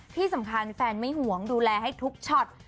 ที่สำคัญแฟนไม่หวงดูแลให้ทุกช็อต